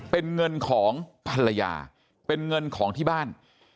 เป็นเงินของภรรยาเป็นเงินของที่บ้าน